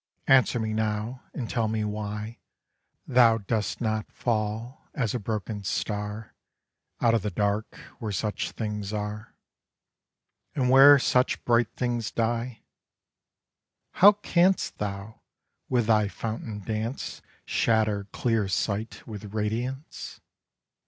Answer me now; and tell me why Thou dost not fall, as a broken star Out of the Dark where such things are, And where such bright things die. How canst thou, with thy fountain dance Shatter clear sight with radiance?